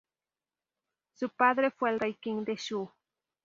Su padre fue el Rey Qing de Zhou.